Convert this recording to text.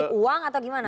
politik uang atau gimana